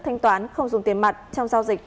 thanh toán không dùng tiền mặt trong giao dịch